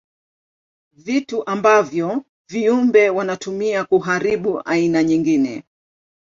Vitu ambavyo viumbe wanatumia kuharibu aina nyingine.